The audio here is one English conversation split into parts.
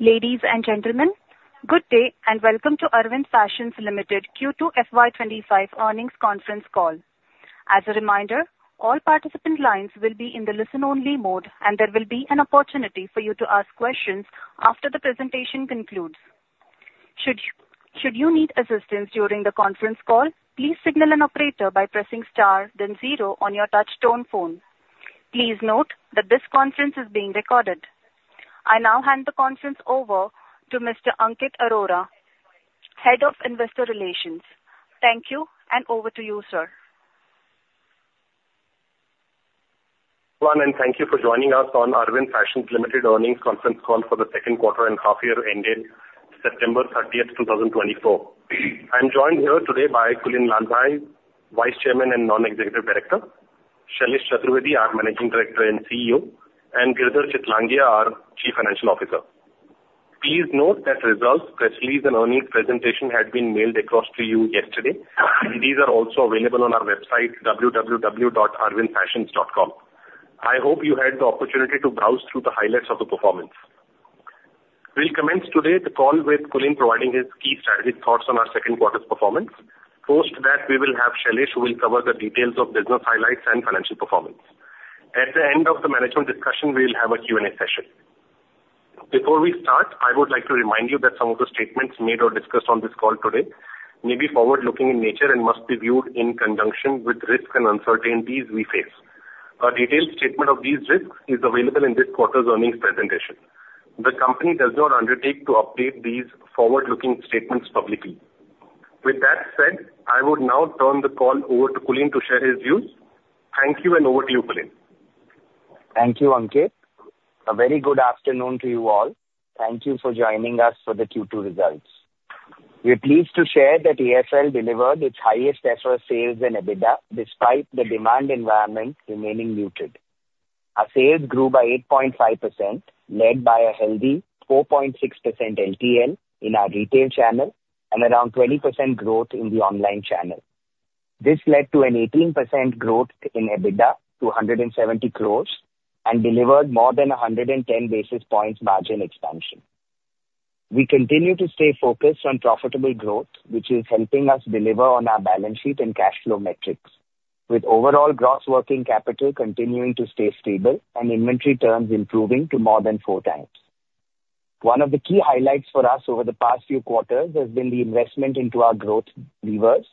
Ladies and gentlemen, good day, and welcome to Arvind Fashions Limited Q2 FY 2025 earnings conference call. As a reminder, all participant lines will be in the listen-only mode, and there will be an opportunity for you to ask questions after the presentation concludes. Should you need assistance during the conference call, please signal an operator by pressing Star, then Zero on your touchtone phone. Please note that this conference is being recorded. I now hand the conference over to Mr. Ankit Arora, Head of Investor Relations. Thank you, and over to you, sir. Hello and welcome everyone, and thank you for joining us on Arvind Fashions Limited earnings conference call for the second quarter and half year ended September 30, 2024. I'm joined here today by Kulin Lalbhai, Vice Chairman and Non-Executive Director, Shailesh Chaturvedi, our Managing Director and CEO, and Girdhar Chitlangia, our Chief Financial Officer. Please note that results, press release, and earnings presentation had been mailed across to you yesterday, and these are also available on our website, www.arvindfashions.com. I hope you had the opportunity to browse through the highlights of the performance. We'll commence today the call with Kulin providing his key strategic thoughts on our second quarter's performance. Post that, we will have Shailesh, who will cover the details of business highlights and financial performance. At the end of the management discussion, we'll have a Q&A session. Before we start, I would like to remind you that some of the statements made or discussed on this call today may be forward-looking in nature and must be viewed in conjunction with risks and uncertainties we face. A detailed statement of these risks is available in this quarter's earnings presentation. The company does not undertake to update these forward-looking statements publicly. With that said, I would now turn the call over to Kulin to share his views. Thank you, and over to you, Kulin. Thank you, Ankit. A very good afternoon to you all. Thank you for joining us for the Q2 results. We are pleased to share that AFL delivered its highest ever sales and EBITDA, despite the demand environment remaining muted. Our sales grew by 8.5%, led by a healthy 4.6% LTL in our retail channel and around 20% growth in the online channel. This led to an 18% growth in EBITDA to 170 crores and delivered more than 110 basis points margin expansion. We continue to stay focused on profitable growth, which is helping us deliver on our balance sheet and cash flow metrics, with overall gross working capital continuing to stay stable and inventory terms improving to more than four times. One of the key highlights for us over the past few quarters has been the investment into our growth levers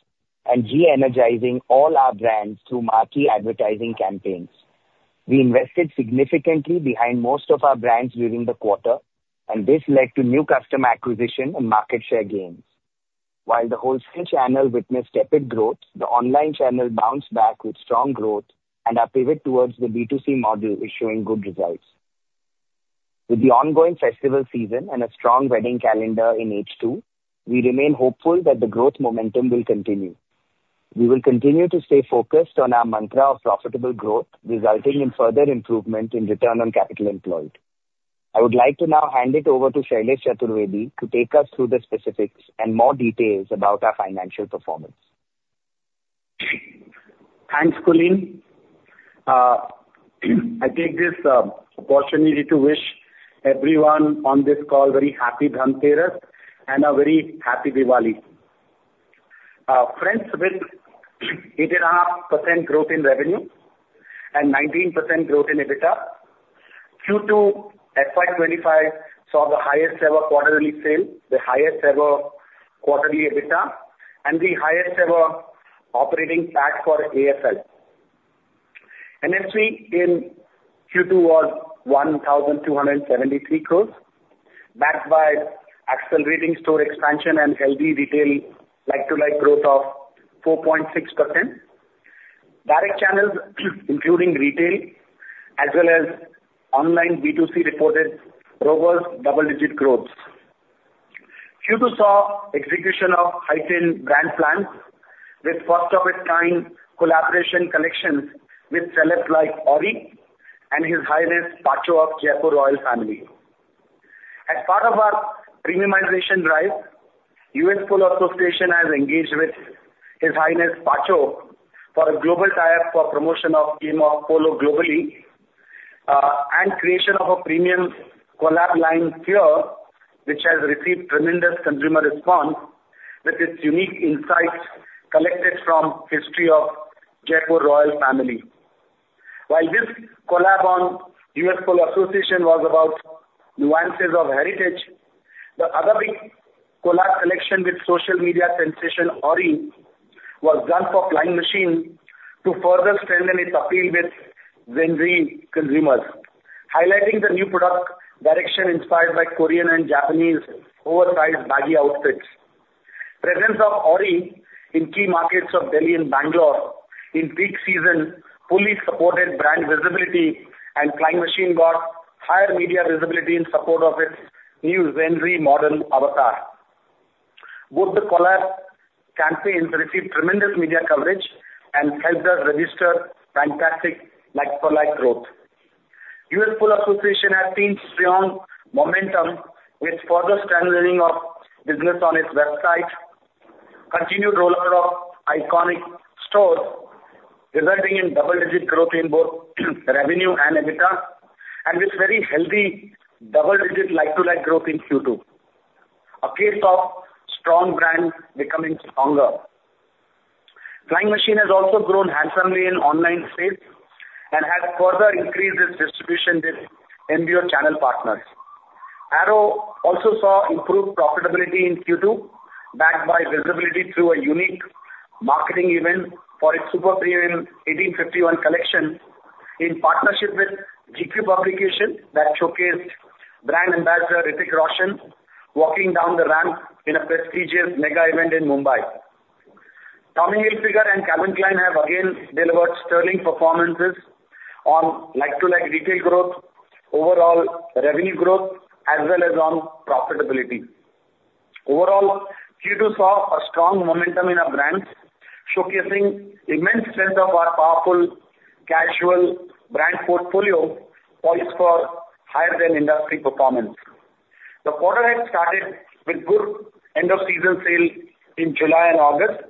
and re-energizing all our brands through marquee advertising campaigns. We invested significantly behind most of our brands during the quarter, and this led to new customer acquisition and market share gains. While the wholesale channel witnessed tepid growth, the online channel bounced back with strong growth, and our pivot towards the B2C model is showing good results. With the ongoing festival season and a strong wedding calendar in H2, we remain hopeful that the growth momentum will continue. We will continue to stay focused on our mantra of profitable growth, resulting in further improvement in return on capital employed. I would like to now hand it over to Shailesh Chaturvedi to take us through the specifics and more details about our financial performance. Thanks, Kulin. I take this opportunity to wish everyone on this call very happy Dhanteras and a very happy Diwali. Friends, with 8.5% growth in revenue and 19% growth in EBITDA, Q2 FY 2025 saw the highest ever quarterly sale, the highest ever quarterly EBITDA, and the highest ever operating PAT for AFL. NSV in Q2 was 1,273 crores, backed by accelerating store expansion and healthy retail like-to-like growth of 4.6%. Direct channels, including retail as well as online B2C, reported robust double-digit growth. Q2 saw execution of heightened brand plans with first-of-its-kind collaboration collections with celebs like Orry and His Highness Pacho of Jaipur royal family. As part of our premiumization drive, U.S. Polo Assn. has engaged with His Highness Pacho for a global tie-up for promotion of theme of polo globally, and creation of a premium collab line here, which has received tremendous consumer response with its unique insights collected from history of Jaipur royal family. While this collab on U.S. Polo Assn. was about nuances of heritage, the other big collab collection with social media sensation, Orry, was done for Flying Machine to further strengthen its appeal with Gen Z consumers, highlighting the new product direction inspired by Korean and Japanese oversized baggy outfits. Presence of Orry in key markets of Delhi and Bangalore in peak season fully supported brand visibility, and Flying Machine got higher media visibility in support of its new Gen Z modern avatar. Both the collab campaigns received tremendous media coverage and helped us register fantastic like-for-like growth. U.S. Polo Assn. has seen strong momentum with further strengthening of business on its website. Continued rollout of iconic stores, resulting in double-digit growth in both revenue and EBITDA, and with very healthy double-digit like-to-like growth in Q2. A case of strong brands becoming stronger. Flying Machine has also grown handsomely in online space and has further increased its distribution with MBO channel partners. Arrow also saw improved profitability in Q2, backed by visibility through a unique marketing event for its Super Premium 1851 Collection, in partnership with GQ, that showcased brand ambassador Hrithik Roshan, walking down the ramp in a prestigious mega event in Mumbai. Tommy Hilfiger and Calvin Klein have again delivered sterling performances on like-to-like retail growth, overall revenue growth, as well as on profitability. Overall, Q2 saw a strong momentum in our brands, showcasing immense strength of our powerful casual brand portfolio, poised for higher than industry performance. The quarter had started with good end of season sale in July and August,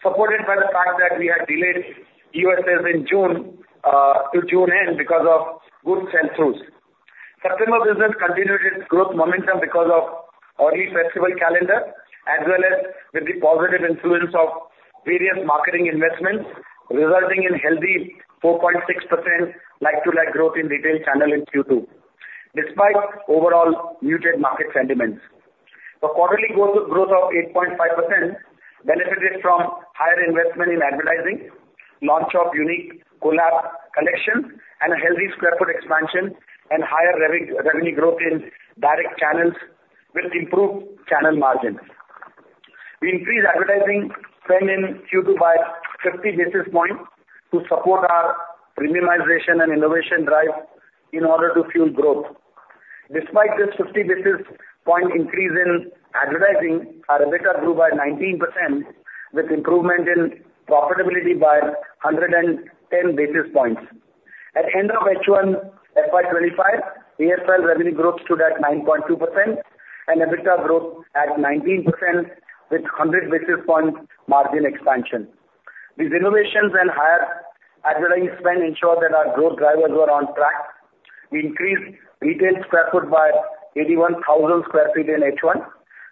supported by the fact that we had delayed EOSS in June to June end because of good sell-throughs. September business continued its growth momentum because of early festival calendar, as well as with the positive influence of various marketing investments, resulting in healthy 4.6% like-to-like growth in retail channel in Q2, despite overall muted market sentiments. The quarterly growth of 8.5% benefited from higher investment in advertising, launch of unique collab collection, and a healthy square foot expansion, and higher revenue growth in direct channels with improved channel margins. We increased advertising spend in Q2 by 50 basis points to support our premiumization and innovation drive in order to fuel growth. Despite this 50 basis point increase in advertising, our EBITDA grew by 19%, with improvement in profitability by 110 basis points. At end of H1, FY 2025, AFL revenue growth stood at 9.2% and EBITDA growth at 19%, with 100 basis points margin expansion. These innovations and higher advertising spend ensured that our growth drivers were on track. We increased retail square foot by 81,000 sq ft in H1,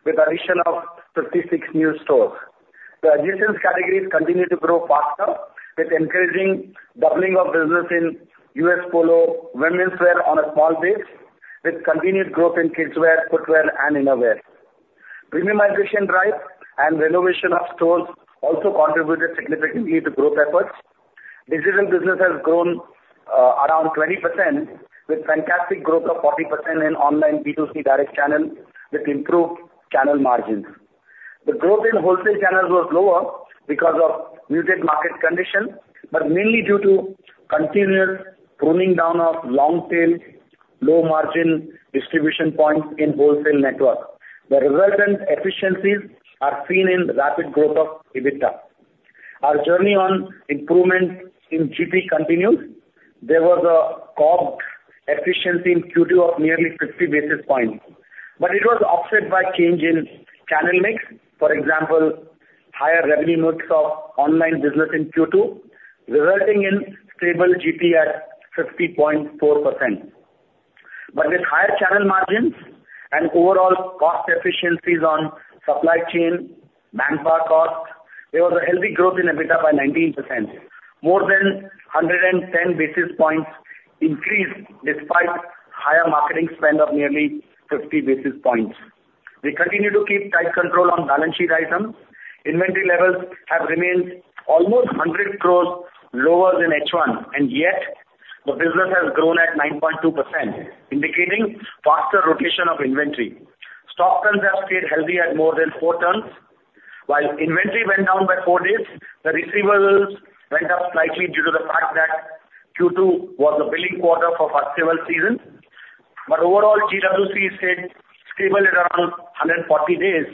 with addition of 56 new stores. The adjacent categories continued to grow faster, with encouraging doubling of business in US Polo women's wear on a small base, with continued growth in kids wear, footwear and innerwear. Premiumization drive and renovation of stores also contributed significantly to growth efforts. Digital business has grown around 20%, with fantastic growth of 40% in online B2C direct channel, with improved channel margins. The growth in wholesale channels was lower because of muted market conditions, but mainly due to continuous pruning down of long tail, low margin distribution points in wholesale network. The resultant efficiencies are seen in the rapid growth of EBITDA. Our journey on improvements in GP continues. There was a COGS efficiency in Q2 of nearly 50 basis points, but it was offset by change in channel mix. For example, higher revenue mix of online business in Q2, resulting in stable GP at 50.4%. But with higher channel margins and overall cost efficiencies on supply chain, manpower costs, there was a healthy growth in EBITDA by 19%. More than 110 basis points increase despite higher marketing spend of nearly 50 basis points. We continue to keep tight control on balance sheet items. Inventory levels have remained almost 100 crore lower than H1, and yet the business has grown at 9.2%, indicating faster rotation of inventory. Stock turns have stayed healthy at more than 4 turns. While inventory went down by 4 days, the receivables went up slightly due to the fact that Q2 was the billing quarter for festival season. But overall, GWC stayed stable at around 140 days,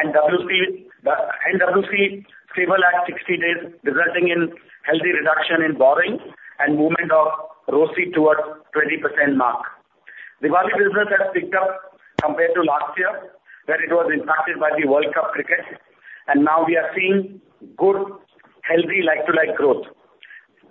and NWC stable at 60 days, resulting in healthy reduction in borrowing and movement of ROCE towards 20% mark. Diwali business has picked up compared to last year, where it was impacted by the World Cup cricket, and now we are seeing good, healthy, like-to-like growth.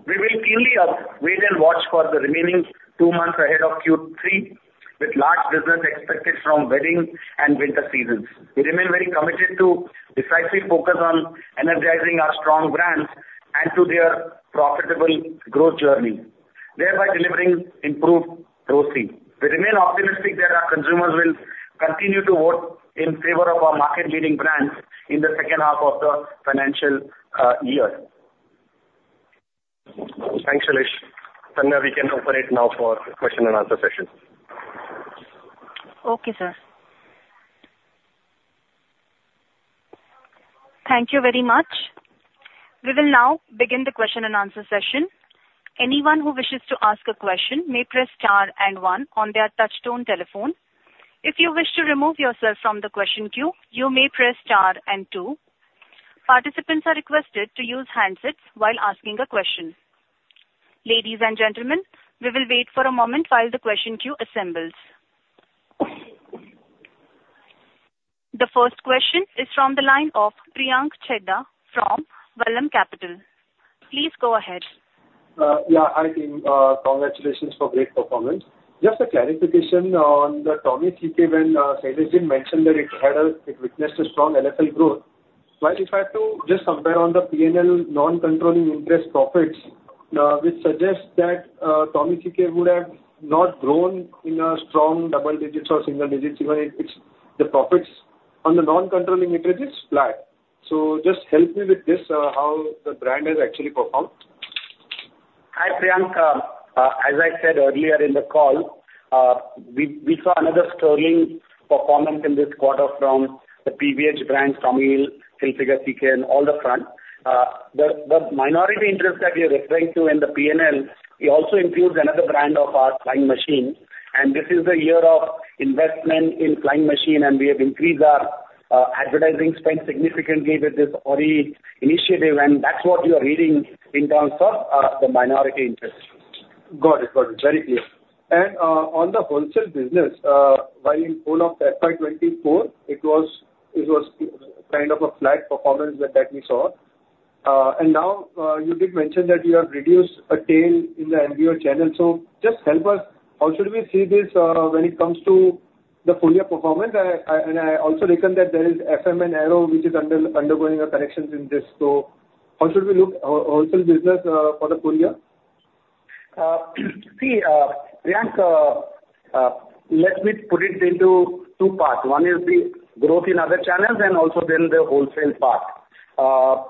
We will keenly wait and watch for the remaining two months ahead of Q3, with large business expected from wedding and winter seasons. We remain very committed to decisive focus on energizing our strong brands and to their profitable growth journey, thereby delivering improved ROCE. We remain optimistic that our consumers will continue to work in favor of our market leading brands in the second half of the financial year. Thanks, Shailesh. Sandra, we can open it now for question and answer session. Okay, sir. Thank you very much. We will now begin the question and answer session. Anyone who wishes to ask a question may press star and one on their touchtone telephone. If you wish to remove yourself from the question queue, you may press star and two. Participants are requested to use handsets while asking a question. Ladies and gentlemen, we will wait for a moment while the question queue assembles... The first question is from the line of Priyank Chheda from Vallum Capital. Please go ahead. Yeah, hi, team, congratulations for great performance. Just a clarification on the Tommy CK, when Sanjeev mentioned that it witnessed a strong LFL growth. While if I have to just compare on the PNL, non-controlling interest profits, which suggests that Tommy CK would have not grown in a strong double digits or single digits, even it's, the profits on the non-controlling interest is flat. So just help me with this, how the brand has actually performed? Hi, Priyank. As I said earlier in the call, we saw another sterling performance in this quarter from the PVH brands, Tommy Hilfiger and Calvin Klein. The minority interest that you're referring to in the PNL, it also includes another brand of our Flying Machine, and this is the year of investment in Flying Machine, and we have increased our advertising spend significantly with this Orry initiative, and that's what you are reading in terms of the minority interest. Got it. Got it. Very clear. And, on the wholesale business, while in whole of FY 2024, it was kind of a flat performance that we saw. And now, you did mention that you have reduced a tail in the LFR channel. So just help us, how should we see this, when it comes to the full year performance? And I also reckon that there is FM and Arrow which is undergoing corrections in this. So how should we look, wholesale business, for the full year? See, Priyank, let me put it into two parts. One is the growth in other channels and also then the wholesale part.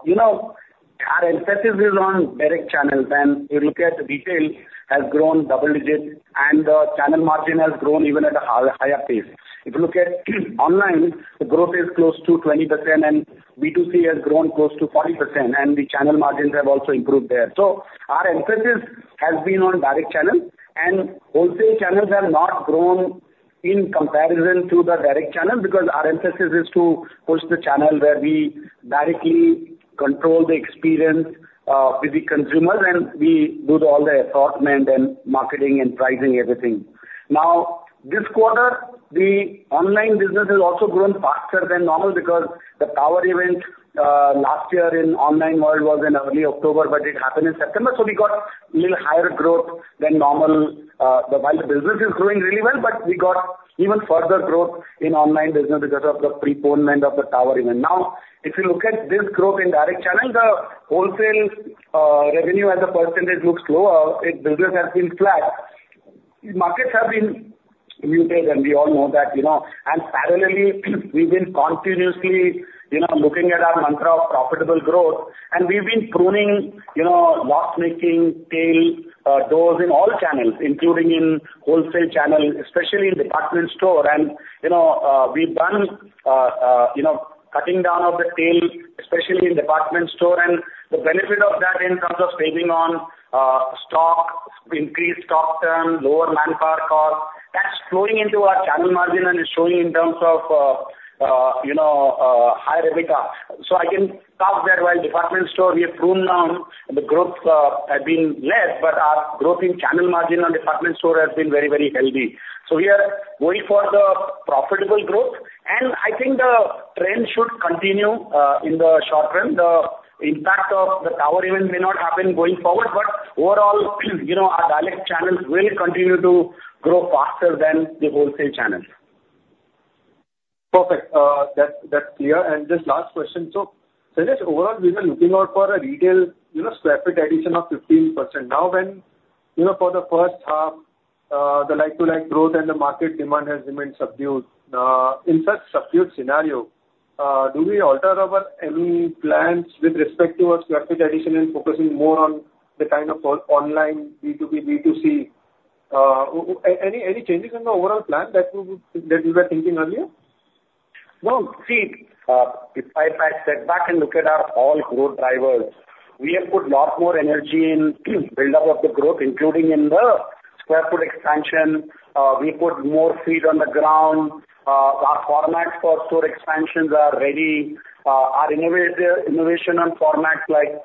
You know, our emphasis is on direct channels, and if you look at retail, has grown double digits, and the channel margin has grown even at a higher pace. If you look at online, the growth is close to 20%, and B2C has grown close to 40%, and the channel margins have also improved there. So our emphasis has been on direct channels, and wholesale channels have not grown in comparison to the direct channels because our emphasis is to push the channel where we directly control the experience with the consumers, and we do all the assortment and marketing and pricing, everything. Now, this quarter, the online business has also grown faster than normal because the power event last year in online world was in early October, but it happened in September, so we got little higher growth than normal. While the business is growing really well, but we got even further growth in online business because of the preponement of the power event. Now, if you look at this growth in direct channel, the wholesale revenue as a percentage looks lower. Its business has been flat. Markets have been muted, and we all know that, you know, and parallelly, we've been continuously, you know, looking at our mantra of profitable growth, and we've been pruning, you know, loss-making tail doors in all channels, including in wholesale channel, especially in department store. You know, we've done, you know, cutting down of the tail, especially in department store, and the benefit of that in terms of saving on stock, increased stock turns, lower manpower cost, that's flowing into our channel margin and is showing in terms of, you know, higher EBITDA. So I can say that while department store we have pruned down, the growth has been less, but our growth in channel margin on department store has been very, very healthy. So we are going for the profitable growth, and I think the trend should continue in the short term. The impact of the power event may not happen going forward, but overall, you know, our direct channels will continue to grow faster than the wholesale channels. Perfect. That's clear. And just last question: so, Sanjeev, overall, we were looking out for a retail, you know, sq ft addition of 15%. Now, you know, for the first half, the like-to-like growth and the market demand has remained subdued. In such subdued scenario, do we alter our any plans with respect to our sq ft addition and focusing more on the kind of online, B2B, B2C? Any changes in the overall plan that you were thinking earlier? No. See, if I step back and look at our overall growth drivers, we have put lot more energy in buildup of the growth, including in the square foot expansion. We put more feet on the ground. Our formats for store expansions are ready. Our innovation on formats like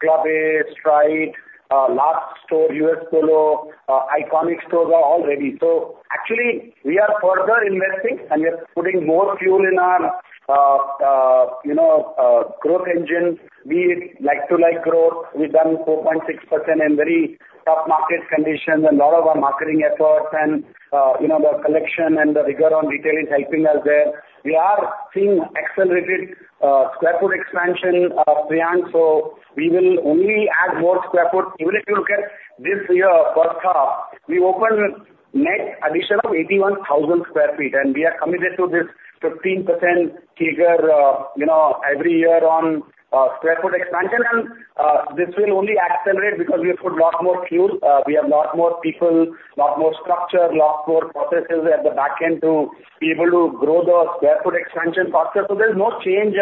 Club A, Stride, large store, U.S. Polo, iconic stores are all ready. So actually, we are further investing, and we are putting more fuel in our, you know, growth engine. Be it like-to-like growth, we've done 4.6% in very tough market conditions, and lot of our marketing efforts and, you know, the collection and the rigor on retail is helping us there. We are seeing accelerated square foot expansion, Priyank, so we will only add more square foot. Even if you look at this year, first half, we opened net addition of 81,000 sq ft, and we are committed to this 15% figure, you know, every year on sq ft expansion. And this will only accelerate because we put lot more fuel. We have lot more people, lot more structure, lot more processes at the back end to be able to grow the sq ft expansion faster. So there's no change,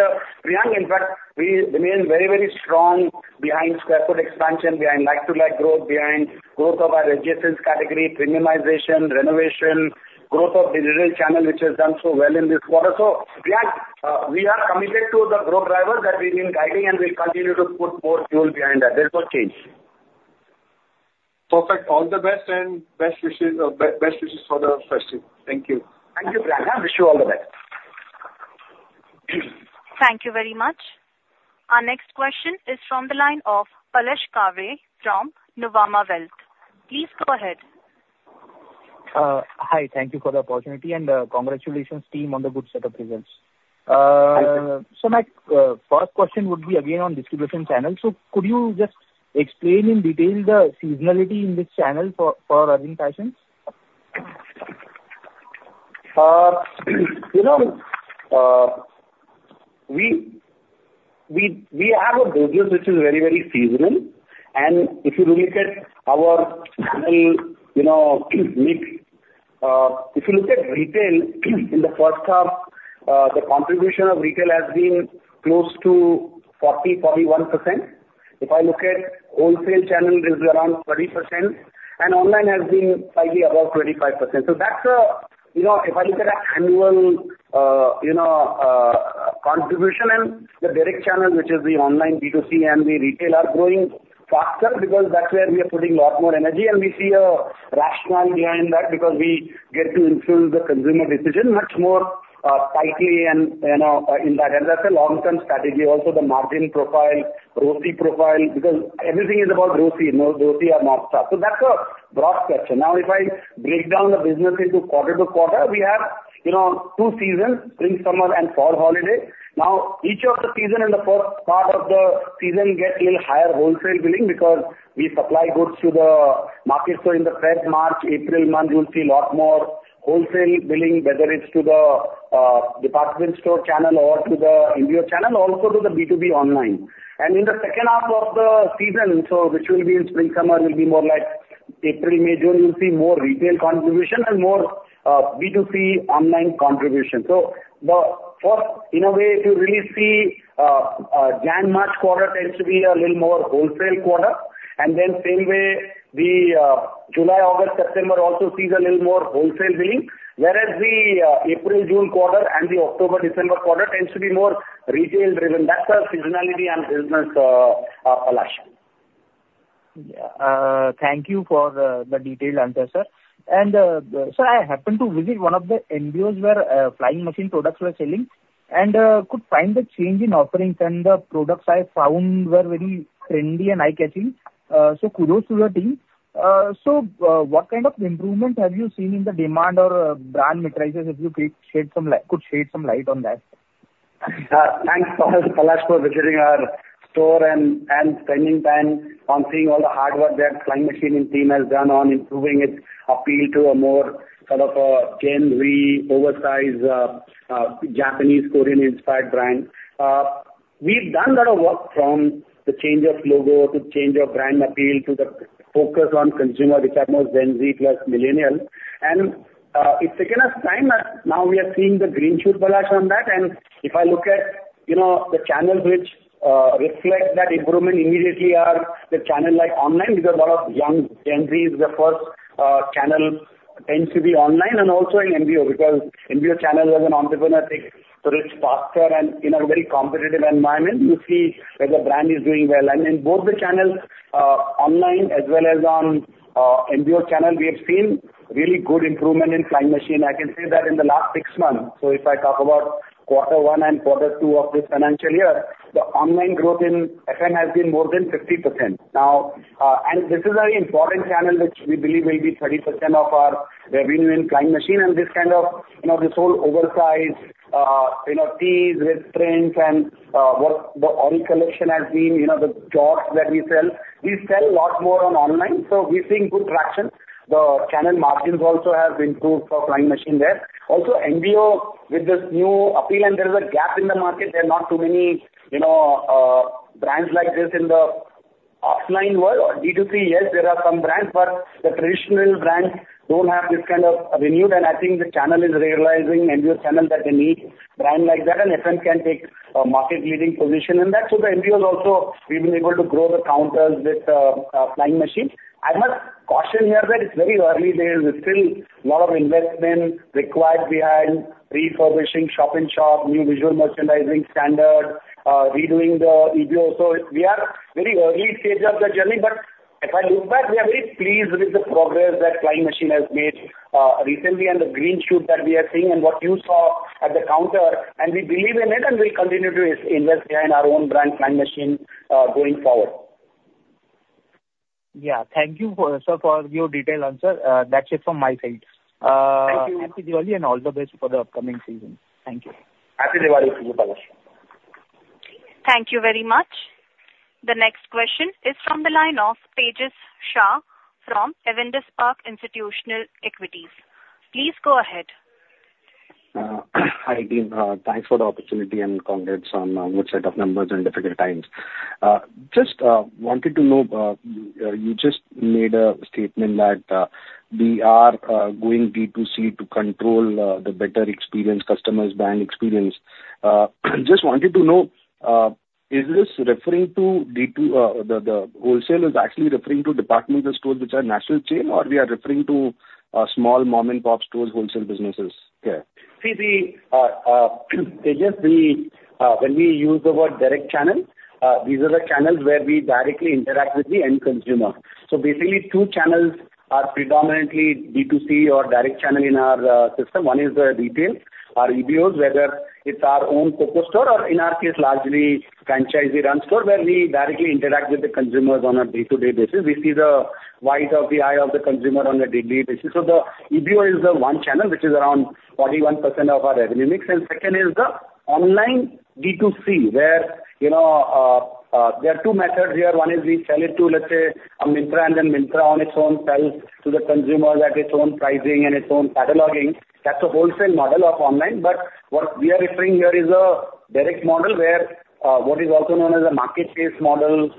Priyank. In fact, we remain very, very strong behind sq ft expansion, behind like-to-like growth, behind growth of our registered category, premiumization, renovation, growth of digital channel, which has done so well in this quarter. So Priyank, we are committed to the growth drivers that we've been guiding, and we'll continue to put more fuel behind that. There is no change. Perfect. All the best and best wishes, best wishes for the festival. Thank you. Thank you, Priyank. Wish you all the best. Thank you very much. Our next question is from the line of Palash Kawale from Nuvama Wealth. Please go ahead. Hi. Thank you for the opportunity, and, congratulations team on the good set of results. So my first question would be again on distribution channels. So could you just explain in detail the seasonality in this channel for Arvind Fashions? You know, we have a business which is very seasonal, and if you look at our channel mix, if you look at retail, in the first half, the contribution of retail has been close to 40 to 41%. If I look at wholesale channel, it'll be around 20%, and online has been slightly above 25%. So that's, you know, if I look at annual contribution and the direct channel, which is the online B2C and the retail, are growing faster because that's where we are putting a lot more energy, and we see a rationale behind that because we get to influence the consumer decision much more tightly and, you know, in that, and that's a long-term strategy. Also, the margin profile, ROC profile, because everything is about ROC, you know, ROC or mark-up. So that's a broad picture. Now, if I break down the business into quarter to quarter, we have, you know, two seasons, spring, summer, and fall holiday. Now, each of the season in the first part of the season get a little higher wholesale billing because we supply goods to the market. So in the Feb, March, April month, you'll see a lot more wholesale billing, whether it's to the department store channel or to the MBO channel, also to the B2B online. And in the second half of the season, so which will be in spring, summer, will be more like April, May, June, you'll see more retail contribution and more B2C online contribution. So the first, in a way to really see, January-March quarter tends to be a little more wholesale quarter. And then same way, the July, August, September also sees a little more wholesale billing. Whereas the April-June quarter and the October to December quarter tends to be more retail-driven. That's our seasonality and business, Palash. Yeah. Thank you for the detailed answer, sir. So I happened to visit one of the MBOs where Flying Machine products were selling, and could find the change in offerings and the products I found were very trendy and eye-catching. So kudos to the team. So, what kind of improvements have you seen in the demand or brand metrics? If you could please shed some light on that? Thanks, Palash, for visiting our store and spending time on seeing all the hard work that Flying Machine and team has done on improving its appeal to a more sort of a Gen Z, oversize, Japanese, Korean-inspired brand. We've done a lot of work from the change of logo, to change of brand appeal, to the focus on consumer, which are more Gen Z plus millennials. It's taken us time, but now we are seeing the green shoot, Palash, on that. If I look at, you know, the channels which reflect that improvement immediately are the channel like online, because a lot of young Gen Z, the first channel tends to be online and also in MBO. Because MBO channel as an entrepreneur takes risks faster and in a very competitive environment, you see that the brand is doing well. In both the channels, online as well as on, MBO channel, we have seen really good improvement in Flying Machine. I can say that in the last six months, so if I talk about quarter one and quarter two of this financial year, the online growth in FM has been more than 50%. Now, and this is a very important channel which we believe will be 30% of our revenue in Flying Machine. And this kind of, you know, this whole oversized, you know, tees with trends and, what the Orry collection has been, you know, the jorts that we sell, we sell a lot more on online, so we're seeing good traction. The channel margins also have improved for Flying Machine there. Also, MBO with this new appeal, and there is a gap in the market. There are not too many, you know, brands like this in the offline world or B2C. Yes, there are some brands, but the traditional brands don't have this kind of revenue, and I think the channel is realizing, MBO channel, that they need brand like that, and FM can take a market-leading position in that. So the MBOs also, we've been able to grow the counters with, Flying Machine. I must caution here that it's very early days. There's still a lot of investment required behind refurbishing shop in shop, new visual merchandising standards, redoing the MBO. So we are very early stage of the journey, but if I look back, we are very pleased with the progress that Flying Machine has made recently and the green shoot that we are seeing and what you saw at the counter, and we believe in it, and we'll continue to invest behind our own brand, Flying Machine, going forward. Yeah. Thank you, sir, for your detailed answer. That's it from my side. Thank you. Happy Diwali, and all the best for the upcoming season. Thank you. Happy Diwali to you, Palash. Thank you very much. The next question is from the line of Tejas Shah from Avendus Spark Institutional Equities. Please go ahead. Hi, team. Thanks for the opportunity and congrats on good set of numbers in difficult times. Just wanted to know, you just made a statement that we are going B2C to control the better experience, customers' brand experience. Just wanted to know, is this referring to B2—the, the wholesale is actually referring to departmental stores which are national chain, or we are referring to small mom-and-pop stores, wholesale businesses here? See, Tejash, we, when we use the word direct channel, these are the channels where we directly interact with the end consumer. So basically, two channels are predominantly B2C or direct channel in our system. One is the retail, our EBOs, whether it's our own CoCo store or, in our case, largely franchisee-run store, where we directly interact with the consumers on a day-to-day basis. We see the white of the eye of the consumer on a daily basis. So the EBO is the one channel which is around 41% of our revenue mix, and second is the online B2C, where, you know, there are two methods here. One is we sell it to, let's say, a Myntra, and then Myntra on its own sells to the consumer at its own pricing and its own cataloging. That's a wholesale model of online. But what we are referring here is a direct model where, what is also known as a marketplace model,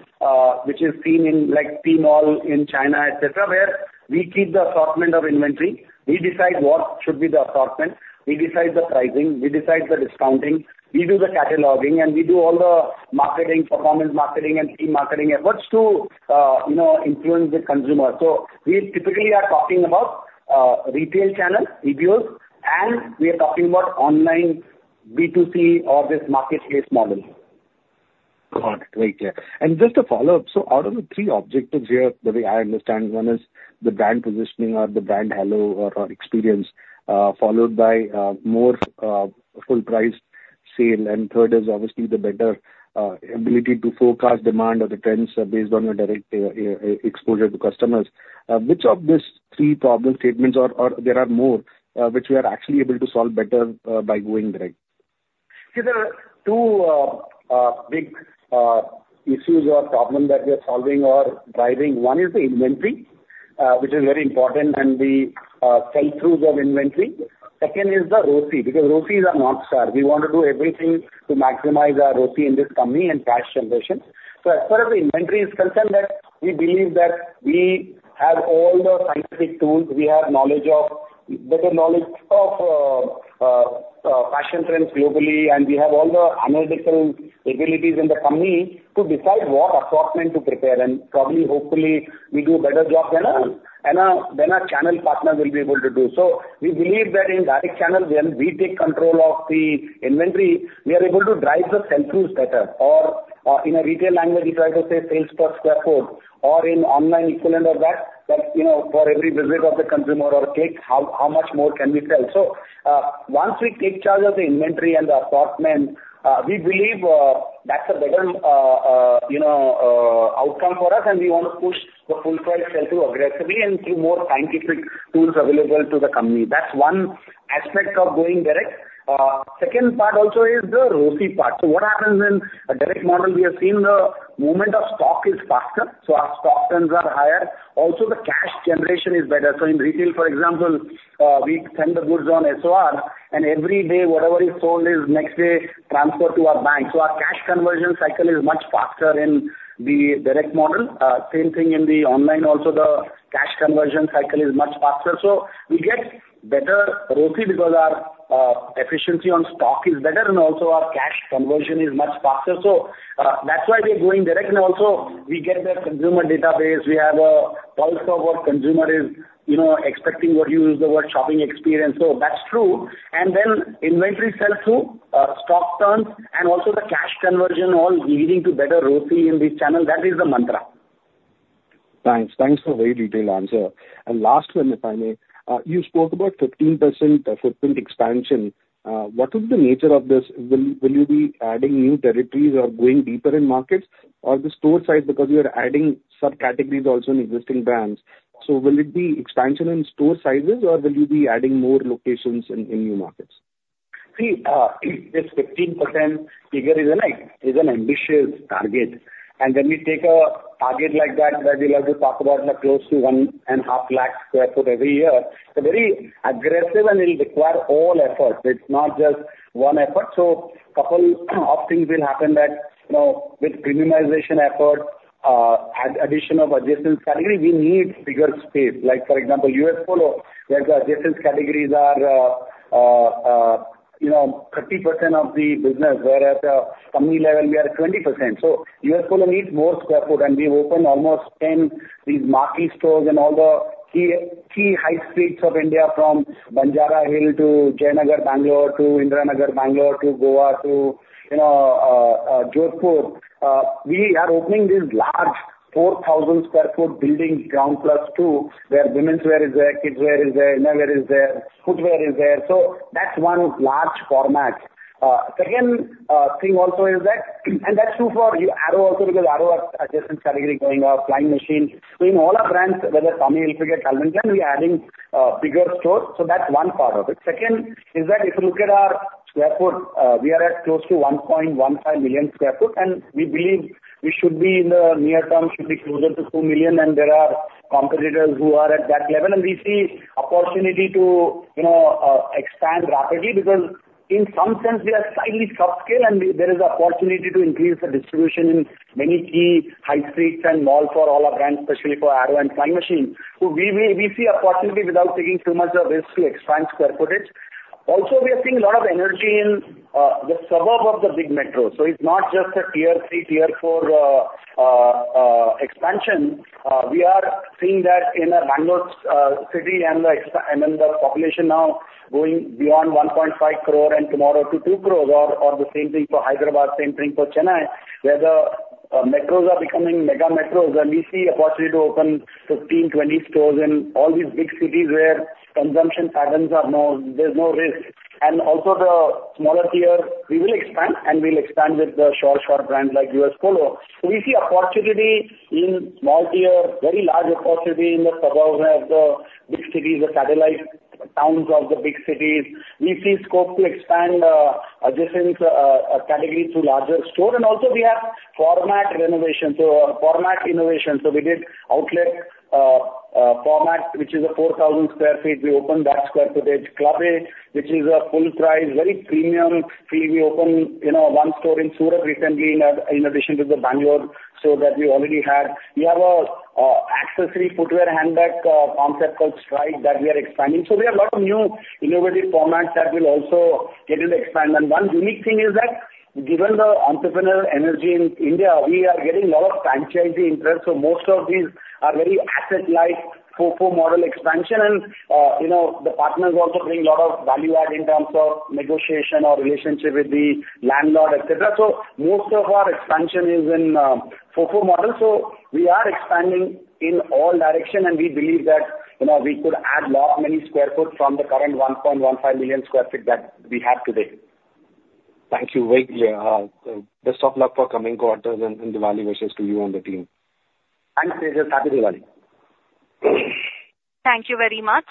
which is seen in, like, Tmall in China, et cetera, where we keep the assortment of inventory. We decide what should be the assortment, we decide the pricing, we decide the discounting, we do the cataloging, and we do all the marketing, performance marketing, and key marketing efforts to, you know, influence the consumer. So we typically are talking about, retail channels, EBOs, and we are talking about online B2C or this marketplace model. Got it. Right. Yeah. And just a follow-up: so out of the three objectives here, the way I understand, one is the brand positioning or the brand hello or experience, followed by more full price sale, and third is obviously the better ability to forecast demand or the trends based on your direct exposure to customers. Which of these three problem statements or there are more, which we are actually able to solve better by going direct? These are two big issues or problems that we are solving or driving. One is the inventory, which is very important, and the sell-throughs of inventory. Second is the ROCE, because ROCEs are North Star. We want to do everything to maximize our ROCE in this company and cash generation. So as far as the inventory is concerned, that we believe that we have all the scientific tools, we have knowledge of, better knowledge of, fashion trends globally, and we have all the analytical abilities in the company to decide what assortment to prepare. And probably, hopefully, we do a better job than our channel partners will be able to do. So we believe that in direct channels, when we take control of the inventory, we are able to drive the sell-throughs better, or, in a retail language, we try to say sales per square foot, or in online equivalent of that, that, you know, for every visit of the consumer or click, how much more can we sell? So, once we take charge of the inventory and the assortment, we believe, that's a better, you know, outcome for us, and we want to push the full price sell-through aggressively and through more scientific tools available to the company. That's one aspect of going direct. Second part also is the ROCE part. So what happens in a direct model, we have seen the movement of stock is faster, so our stock turns are higher. Also, the cash generation is better. So in retail, for example, we send the goods on SOR, and every day, whatever is sold is next day transferred to our bank. So our cash conversion cycle is much faster in the direct model. Same thing in the online. Also, the cash conversion cycle is much faster. So we get better ROCE because our efficiency on stock is better, and also our cash conversion is much faster. So that's why we're going direct, and also we get the consumer database. We have a pulse of what consumer is, you know, expecting, what you use the word, shopping experience. So that's true. And then inventory sell-through, stock turns and also the cash conversion, all leading to better ROCE in this channel. That is the mantra. Thanks. Thanks for very detailed answer and last one, if I may. You spoke about 15% footprint expansion. What is the nature of this? Will you be adding new territories or going deeper in markets or the store size because you are adding subcategories also in existing brands? So will it be expansion in store sizes, or will you be adding more locations in new markets? See, this 15% figure is an ambitious target, and when we take a target like that, that we'll have to talk about close to one and a half lakh sq ft every year. So very aggressive and will require all efforts. It's not just one effort. So couple of things will happen that, you know, with premiumization efforts, addition of adjacent category, we need bigger space. Like, for example, U.S. Polo, where the adjacent categories are, you know, 30% of the business, whereas at a family level, we are 20%. So U.S. Polo needs more sq ft, and we've opened almost 10, these marquee stores in all the key high streets of India, from Banjara Hills to Jayanagar, Bangalore, to Indiranagar, Bangalore, to Goa to, you know, Jodhpur. We are opening this large 4,000 sq ft building, ground plus two, where womenswear is there, kidswear is there, innerwear is there, footwear is there. So that's one large format. Second, thing also is that, and that's true for, you know, Arrow also, because Arrow has adjacent category going off, Flying Machine. So in all our brands, whether Tommy Hilfiger, Calvin Klein, we're adding bigger stores, so that's one part of it. Second is that if you look at our square foot, we are at close to 1.15 million sq ft, and we believe we should be in the near term, should be closer to 2 million, and there are competitors who are at that level. We see opportunity to, you know, expand rapidly, because in some sense, we are slightly subscale, and there is an opportunity to increase the distribution in many key high streets and mall for all our brands, especially for Arrow and Flying Machine. We see opportunity without taking too much of risk to expand square footage. Also, we are seeing a lot of energy in the suburb of the big metro. It's not just a tier three, tier four expansion. We are seeing that in a Bangalore city and then the population now going beyond 1.5 crore and tomorrow to 2 crores, or the same thing for Hyderabad, same thing for Chennai, where the metros are becoming mega metros, and we see opportunity to open 15-20 stores in all these big cities where consumption patterns are more, there's no risk. And also the smaller tier, we will expand, and we'll expand with the short brand like US Polo. So we see opportunity in small tier, very large opportunity in the suburbs of the big cities, the satellite towns of the big cities. We see scope to expand adjacent categories to larger store, and also we have format renovation, so format innovation. So we did outlet format, which is a 4,000 sq ft. We opened that square footage. Club A, which is a full price, very premium. We opened, you know, one store in Surat recently in addition to the Bangalore, so that we already have. We have a accessory footwear handbag concept called Stride that we are expanding. We have a lot of new innovative formats that will also get to expand. One unique thing is that given the entrepreneurial energy in India, we are getting a lot of franchisee interest, so most of these are very asset-light FoFo model expansion. You know, the partners also bring a lot of value add in terms of negotiation or relationship with the landlord, et cetera. Most of our expansion is in FoFo model. We are expanding in all direction, and we believe that, you know, we could add lot, many sq ft from the current 1.15 million sq ft that we have today. Thank you, very clear. Best of luck for coming quarters and Diwali wishes to you and the team. Thanks, Tejas. Happy Diwali! Thank you very much.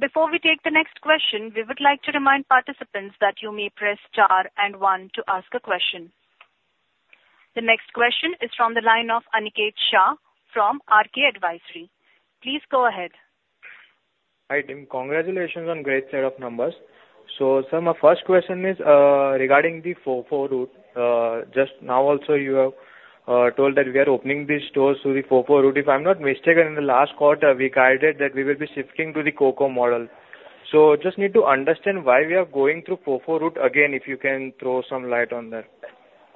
Before we take the next question, we would like to remind participants that you may press star and one to ask a question. The next question is from the line of Aniket Shah from RK Advisory. Please go ahead. Hi, team. Congratulations on great set of numbers. So sir, my first question is, regarding the FoFo route. Just now also you have, told that we are opening these stores through the FoFo route. If I'm not mistaken, in the last quarter, we guided that we will be shifting to the CoCo model. So just need to understand why we are going through FoFo route again, if you can throw some light on that.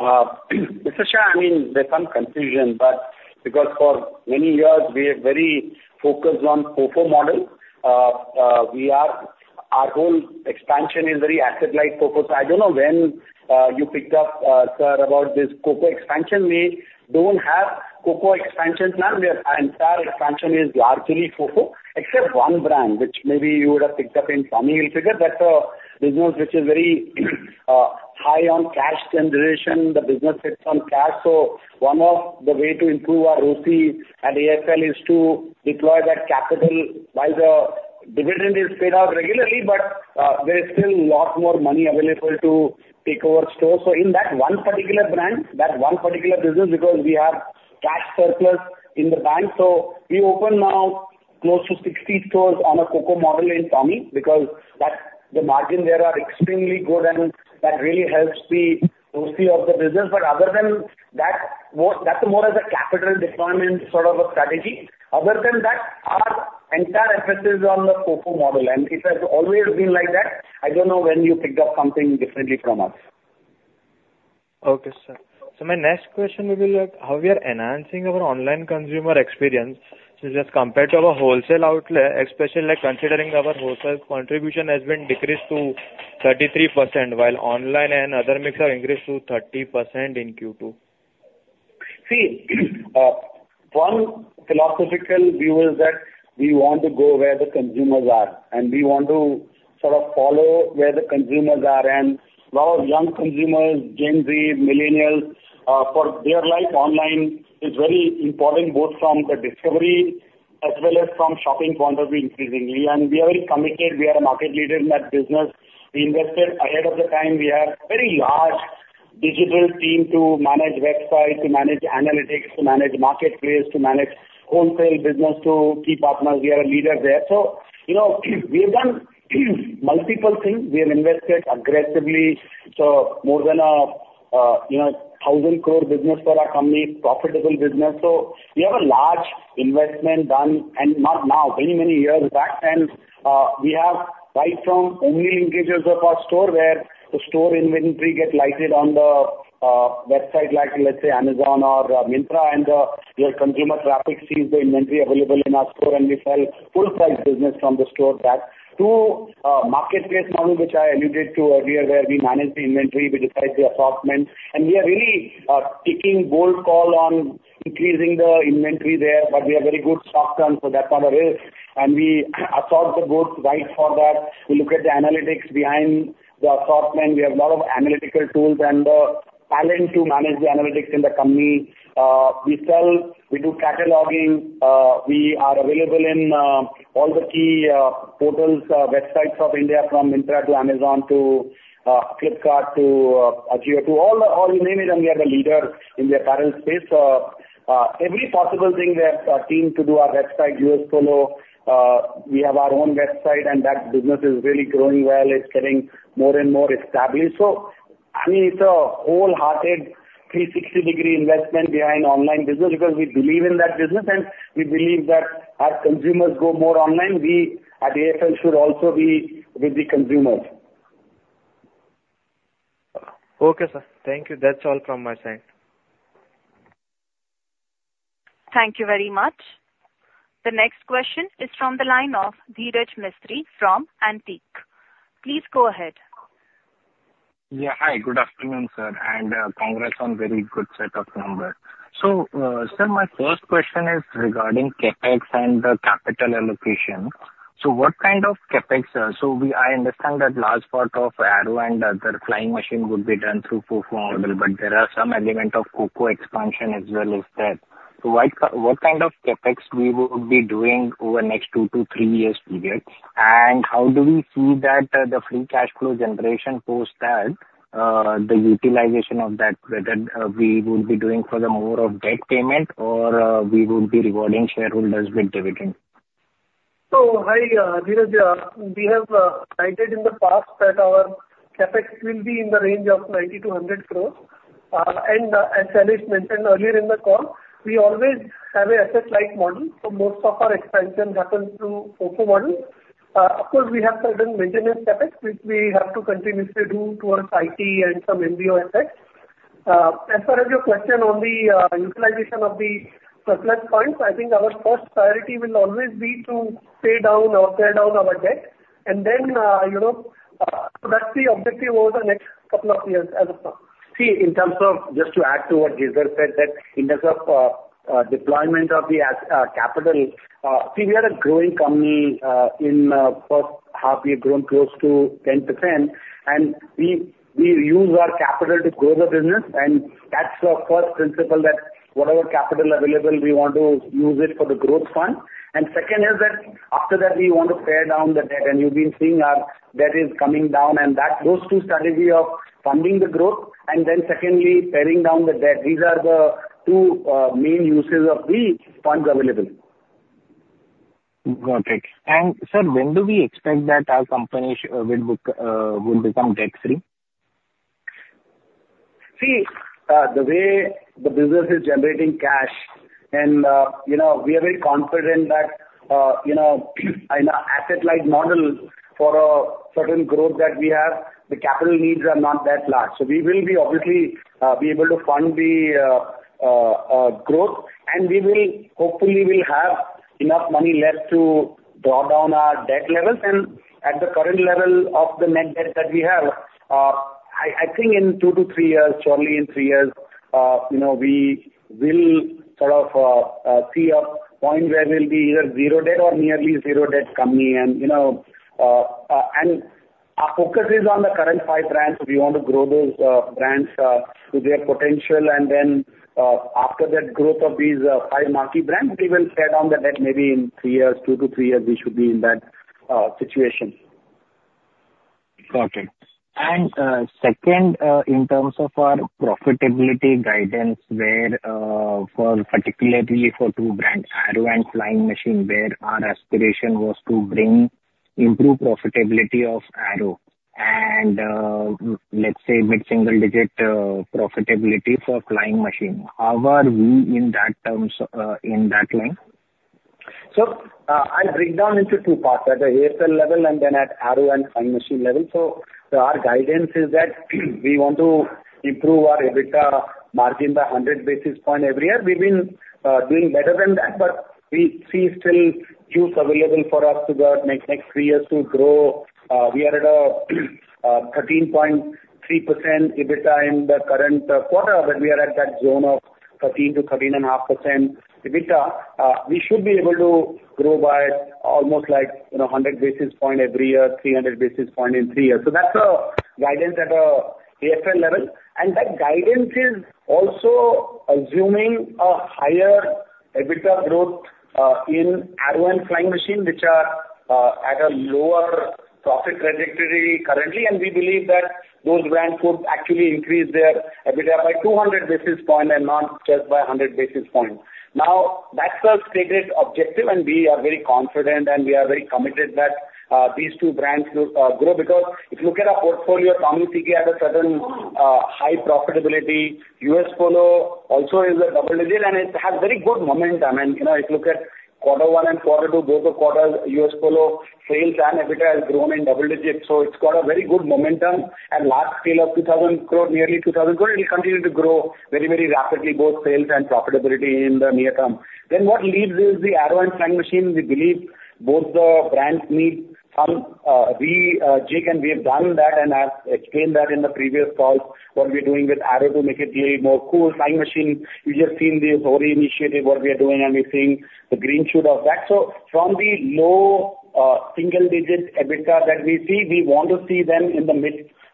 Mr. Shah, I mean, there's some confusion, but because for many years we are very focused on FoFo model. Our whole expansion is very asset-light FoFo. So I don't know when you picked up, sir, about this CoCo expansion. We don't have CoCo expansion now. Our entire expansion is largely FoFo, except one brand, which maybe you would have picked up in Tommy Hilfiger. That's a business which is very high on cash generation. The business sits on cash, so one of the way to improve our ROCE at AFL is to deploy that capital while the dividend is paid out regularly, but there is still a lot more money available to take over stores. So in that one particular brand, that one particular business, because we have cash surplus in the bank, so we open now close to 60 stores on a CoCo model in Tommy, because that's, the margin there are extremely good, and that really helps the ROCE of the business. But other than that, more, that's more as a capital deployment sort of a strategy. Other than that, our entire emphasis is on the FoFo model, and it has always been like that. I don't know when you picked up something differently from us. Okay, sir. So my next question will be, like, how we are enhancing our online consumer experience. So just compared to our wholesale outlet, especially like considering our wholesale contribution has been decreased to 33%, while online and other mix have increased to 30% in Q2. See, one philosophical view is that we want to go where the consumers are, and we want to sort of follow where the consumers are. And a lot of young consumers, Gen Z, millennials, for their life, online is very important, both from the discovery as well as from shopping point of view, increasingly. And we are very committed. We are a market leader in that business. We invested ahead of the time. We have very large digital team to manage website, to manage analytics, to manage marketplace, to manage wholesale business, to key partners. We are a leader there. So, you know, we have done multiple things. We have invested aggressively, so more than 1,000 crore business for our company, profitable business. So we have a large investment done, and not now, many, many years back. We have right from only linkages of our store, where the store inventory gets listed on the website, like, let's say, Amazon or Myntra, and your consumer traffic sees the inventory available in our store, and we sell full price business from the store backend. To the marketplace model, which I alluded to earlier, where we manage the inventory, we decide the assortment, and we are really taking bold call on increasing the inventory there, but we have very good stock turn, so that's not a risk. And we assort the goods right for that. We look at the analytics behind the assortment. We have a lot of analytical tools and the talent to manage the analytics in the company. We sell, we do cataloging, we are available in all the key portals, websites of India, from Myntra to Amazon to Flipkart to Ajio. To all the, you name it, and we are the leader in the apparel space. Every possible thing we have a team to do our website, U.S. Polo. We have our own website, and that business is really growing well. It's getting more and more established. So, I mean, it's a wholehearted three sixty degree investment behind online business because we believe in that business, and we believe that as consumers go more online, we at AFL should also be with the consumers. Okay, sir. Thank you. That's all from my side. Thank you very much. The next question is from the line of Dheeraj Mistry from Antique. Please go ahead. Yeah. Hi, good afternoon, sir, and, congrats on very good set of numbers. So, sir, my first question is regarding CapEx and the capital allocation. So what kind of CapEx, sir? So, I understand that last part of Arrow and other Flying Machine would be done through FoFo model, but there are some element of CoCo expansion as well as that. So, what kind of CapEx we would be doing over the next two to three years period? And how do we see that, the free cash flow generation post that, the utilization of that credit, we would be doing for the more of debt payment, or, we would be rewarding shareholders with dividend? Hi, Dheeraj. We have guided in the past that our CapEx will be in the range of 90-100 crores. And, as Shailesh mentioned earlier in the call, we always have an asset-light model, so most of our expansion happens through CoCo model. Of course, we have certain maintenance CapEx, which we have to continuously do towards IT and some MBO assets. As far as your question on the utilization of the surplus funds, I think our first priority will always be to pay down our debt. And then, you know, so that's the objective over the next couple of years as of now. See, in terms of, just to add to what Dheeraj said, that in terms of deployment of the capital, see, we are a growing company. In first half, we have grown close to 10%, and we use our capital to grow the business, and that's the first principle, that whatever capital available, we want to use it for the growth fund. And second is that after that, we want to pay down the debt, and you've been seeing our debt is coming down, and that those two strategy of funding the growth and then secondly, paying down the debt. These are the two main uses of the funds available. Got it. And sir, when do we expect that our company will become debt-free? See, the way the business is generating cash and, you know, we are very confident that, you know, in our asset-light model for a certain growth that we have, the capital needs are not that large. So we will be obviously be able to fund the growth, and we will hopefully have enough money left to draw down our debt levels. And at the current level of the net debt that we have, I, I think in two to three years, surely in three years, you know, we will sort of see a point where we'll be either zero debt or nearly zero debt company. And, you know, and our focus is on the current five brands. We want to grow those brands to their potential. And then, after that growth of these five marquee brands, we will pay down the debt. Maybe in three years, two to three years, we should be in that situation. Got it. And, second, in terms of our profitability guidance, where, particularly for two brands, Arrow and Flying Machine, where our aspiration was to bring improved profitability of Arrow and, let's say, mid-single digit profitability for Flying Machine. How are we in that terms, in that line? I'll break down into two parts, at the AFL level and then at Arrow and Flying Machine level. Our guidance is that we want to improve our EBITDA margin by a 100 basis point every year. We've been doing better than that, but we see still room available for us in the next three years to grow. We are at a 13.3% EBITDA in the current quarter, when we are at that zone of 13% to 13.5% EBITDA, we should be able to grow by almost like, you know, 100 basis point every year, 300 basis point in three years. That's the guidance at an AFL level, and that guidance is also assuming a higher EBITDA growth in Arrow and Flying Machine, which are at a lower profit trajectory currently. And we believe that those brands could actually increase their EBITDA by 200 basis point and not just by 100 basis point. Now, that's the stated objective, and we are very confident, and we are very committed that, these two brands will, grow. Because if you look at our portfolio, Tommy Hilfiger has a certain, high profitability. U.S. Polo also is a double digit, and it has very good momentum. And, you know, if you look at quarter one and quarter two, both the quarters, U.S. Polo sales and EBITDA has grown in double digits, so it's got a very good momentum and large scale of 2,000 crore, nearly 2,000 crore. It will continue to grow very, very rapidly, both sales and profitability in the near term. Then what leaves is the Arrow and Flying Machine. We believe both the brands need some rejig, and we have done that, and I've explained that in the previous calls, what we're doing with Arrow to make it a more cool. Flying Machine, you've just seen the Orry initiative, what we are doing, and we're seeing the green shoot of that. So from the low single-digit EBITDA that we see, we want to see them in the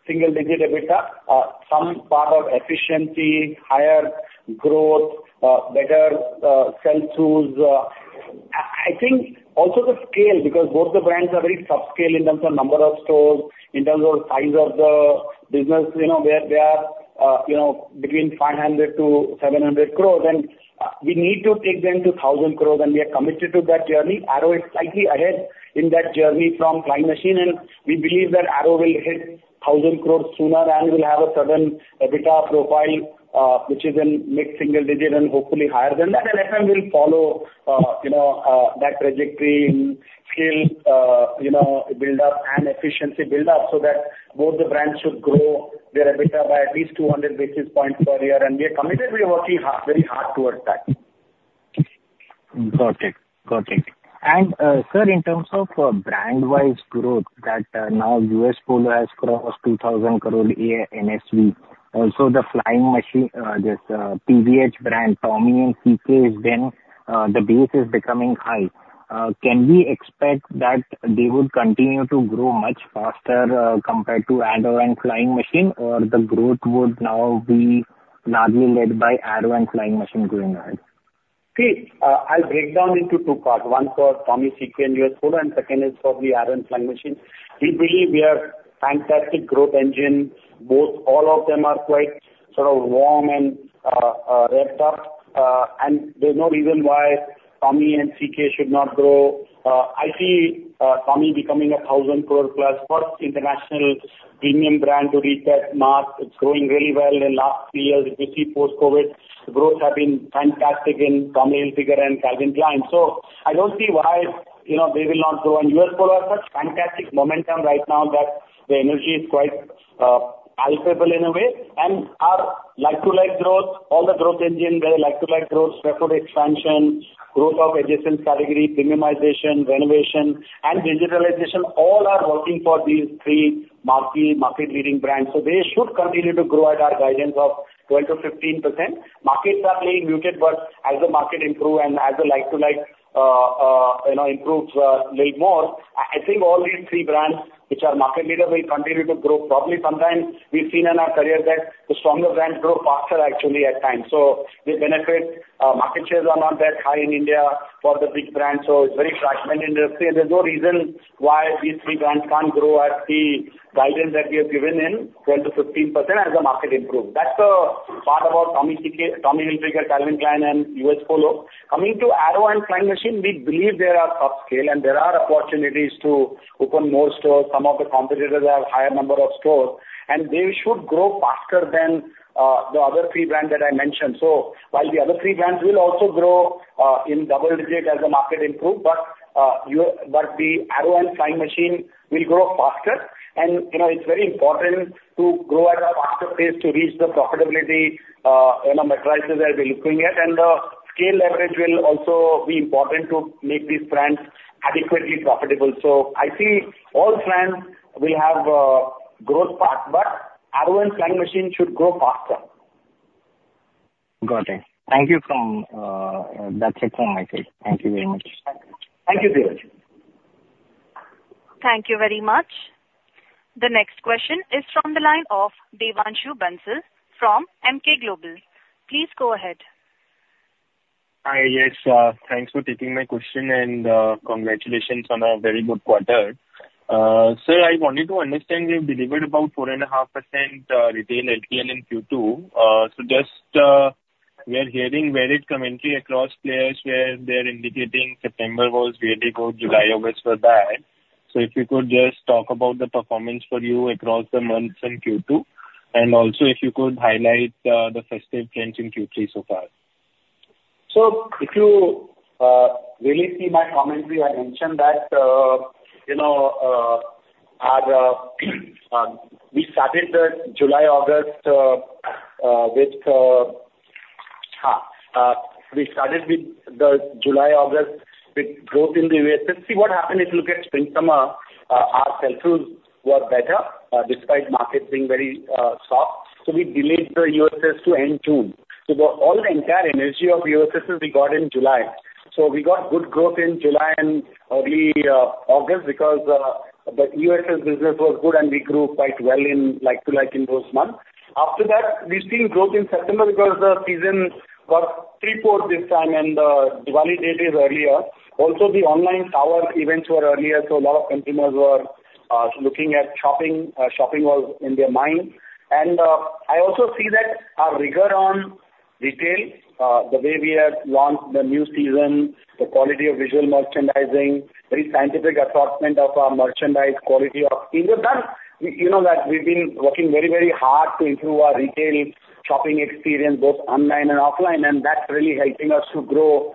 mid-single-digit EBITDA, some part of efficiency, higher growth, better sell-throughs. I think also the scale, because both the brands are very subscale in terms of number of stores, in terms of size of the business, you know, they are, they are, you know, between 500-700 crore, and we need to take them to 1,000 crore, and we are committed to that journey. Arrow is slightly ahead in that journey from Flying Machine, and we believe that Arrow will hit thousand crores sooner, and will have a certain EBITDA profile, which is in mid-single digit and hopefully higher than that. And FM will follow, you know, that trajectory in scale, you know, build-up and efficiency build-up, so that both the brands should grow their EBITDA by at least 200 basis points per year. And we are committed, we are working very hard towards that. Got it. Got it. And, sir, in terms of, brand-wise growth, that, now U.S. Polo has crossed 2,000 crore a NSV. Also, the Flying Machine, this, PVH brand, Tommy and CK is then, the base is becoming high. Can we expect that they would continue to grow much faster, compared to Arrow and Flying Machine, or the growth would now be largely led by Arrow and Flying Machine going ahead? See, I'll break down into two parts. One for Tommy, CK, and U.S. Polo, and second is for the Arrow and Flying Machine. We believe we are fantastic growth engine. Both, all of them are quite sort of warm and revved up. And there's no reason why Tommy and CK should not grow. I see Tommy becoming a thousand crore plus, first international premium brand to reach that mark. It's growing really well in last three years. If you see post-COVID, the growth has been fantastic in Tommy Hilfiger and Calvin Klein. So I don't see why, you know, they will not grow. And U.S. Polo has such fantastic momentum right now that the energy is quite palpable in a way. Our like-to-like growth, all the growth engine, very like-to-like growth, record expansion, growth of adjacent categories, premiumization, renovation, and digitalization, all are working for these three marquee market-leading brands. So they should continue to grow at our guidance of 12% to 15%. Markets are playing muted, but as the market improve and as the like-to-like, you know, improves little more, I think all these three brands, which are market leaders, will continue to grow. Probably sometimes we've seen in our career that the stronger brands grow faster actually at times, so they benefit. Market shares are not that high in India for the big brands, so it's very fragmented industry, and there's no reason why these three brands can't grow at the guidance that we have given them, 10% to 15%, as the market improve. That's the part about Tommy, CK, Tommy Hilfiger, Calvin Klein and U.S. Polo. Coming to Arrow and Flying Machine, we believe they are subscale and there are opportunities to open more stores. Some of the competitors have higher number of stores, and they should grow faster than the other three brands that I mentioned. So while the other three brands will also grow in double digit as the market improve, but the Arrow and Flying Machine will grow faster. And, you know, it's very important to grow at a faster pace to reach the profitability metrics that we're looking at. And scale leverage will also be important to make these brands adequately profitable. So I see all brands will have growth path, but Arrow and Flying Machine should grow faster. Got it. Thank you, that's it from my side. Thank you very much. Thank you, Dheeraj. Thank you very much. The next question is from the line of Devanshu Bansal from Emkay Global. Please go ahead. Hi. Yes, thanks for taking my question and congratulations on a very good quarter. So I wanted to understand, you've delivered about 4.5% retail LTL in Q2. So just, we are hearing varied commentary across players where they're indicating September was really good, July, August were bad. So if you could just talk about the performance for you across the months in Q2, and also if you could highlight the festive trends in Q3 so far. So if you really see my commentary, I mentioned that, you know, we started with July, August with growth in the EOSS. See what happened is, look at Spring/Summer, our sell-throughs were better, despite markets being very soft. So we delayed the EOSS to end June. So all the entire energy of EOSS we got in July. So we got good growth in July and early August, because the EOSS business was good, and we grew quite well in like-to-like in those months. After that, we've seen growth in September because the season was preponed this time and Diwali day is earlier. Also, the online power events were earlier, so a lot of consumers were looking at shopping, shopping was in their mind. I also see that our rigor on retail, the way we have launched the new season, the quality of visual merchandising, very scientific assortment of our merchandise, quality of in-store brands. We, you know, that we've been working very, very hard to improve our retail shopping experience, both online and offline, and that's really helping us to grow,